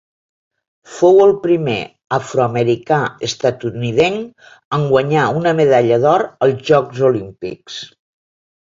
Fou el primer afroamericà estatunidenc en guanyar una medalla d'or als Jocs Olímpics.